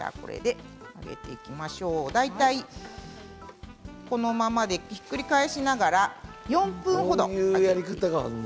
大体このままでひっくり返しながら４分程。